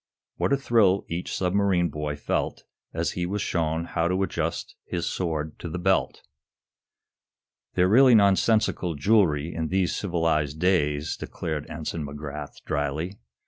What a thrill each submarine boy felt as he was shown how to adjust his sword to the belt! "They're really nonsensical jewelry in these civilized days," declared Ensign McGrath, dryly.